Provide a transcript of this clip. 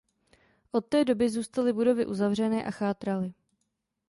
Od té doby zůstaly budovy uzavřené a chátraly.